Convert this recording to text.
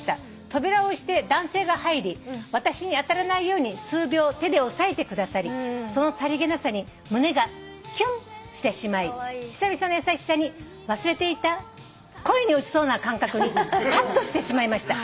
扉を押して男性が入り私に当たらないように数秒手で押さえてくださりそのさりげなさに胸がキュンしてしまい久々の優しさに忘れていた恋に落ちそうな感覚にはっとしてしまいました。